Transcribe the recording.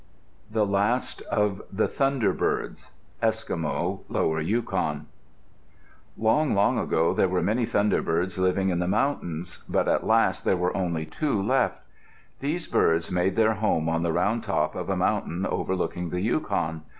THE LAST OF THE THUNDERBIRDS Eskimo (Lower Yukon) Long, long ago there were many thunderbirds living in the mountains, but at last there were only two left. These birds made their home on the round top of a mountain overlooking the Yukon.